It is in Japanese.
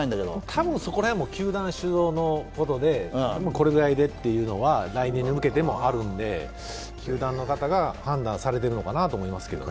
多分そこら辺も球団主導のことで、このくらいでって来年に向けてもあるんで、球団の方が判断されているんだろうなと思いますけどね。